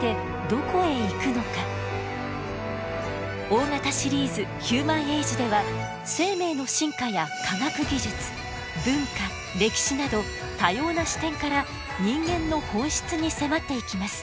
大型シリーズ「ヒューマン・エイジ」では生命の進化や科学技術文化歴史など多様な視点から人間の本質に迫っていきます。